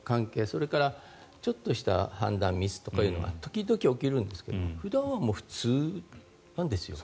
それから、ちょっとした判断ミスとかというのは時々、起きるんですが普段は普通なんですよ。